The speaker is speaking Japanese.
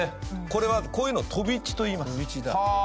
これはこういうのを飛地といいます。